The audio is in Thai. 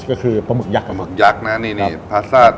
ก็คือปลาหมึกยักษ์ปลาหมึกยักษ์นะนี่พาสต้า